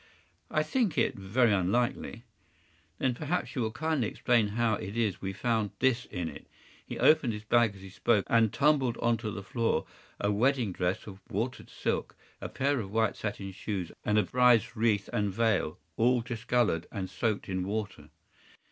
” “I think it very unlikely.” “Then perhaps you will kindly explain how it is that we found this in it?” He opened his bag as he spoke, and tumbled onto the floor a wedding dress of watered silk, a pair of white satin shoes, and a bride’s wreath and veil, all discolored and soaked in water.